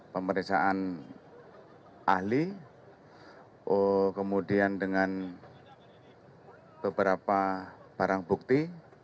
pemeriksaan ahli kemudian dengan beberapa barang bukti